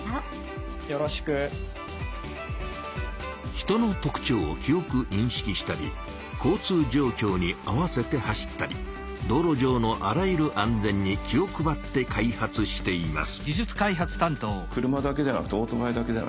人の特ちょうを記おくにんしきしたり交通じょうきょうに合わせて走ったり道路上のあらゆる安全に気を配って開発しています。